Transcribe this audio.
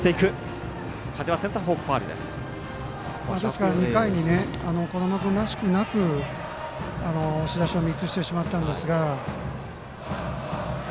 ですから２回に小玉君らしくなく押し出しを３つしてしまったんですが。